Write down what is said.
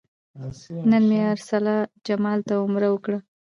نن مې ارسلا جمال ته عمره وکړه.